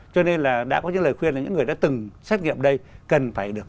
cho nên là đã có những lời khuyên là những người đã từng xét nghiệm đây cần phải được